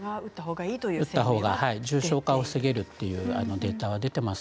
重症化を防げるというデータは出ています。